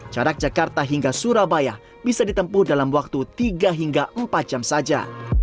jarak jakarta hingga surabaya bisa ditempuh dalam waktu tiga hingga empat jam saja